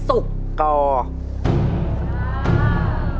พูดไปเลยครับลุงเห็นอะไรลุงพูดไปเลยลุงรู้จักอะไรบ้าง